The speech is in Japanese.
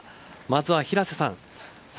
まずは平瀬さん。